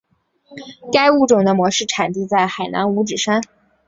该物种的模式产地在海南五指山。